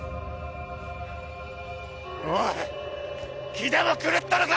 気でも狂ったのか！？